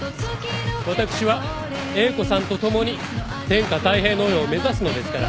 私は英子さんと共に天下泰平の世を目指すのですから。